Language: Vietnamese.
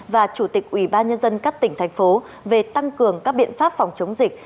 và chủ tịch ubnd các tỉnh thành phố về tăng cường các biện pháp phòng chống dịch